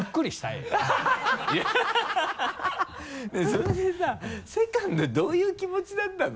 それでさ「ＳＥＣＯＮＤ」どういう気持ちだったの？